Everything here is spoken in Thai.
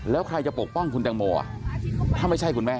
แล้วใครจะปกป้องคุณแตงโมถ้าไม่ใช่คุณแม่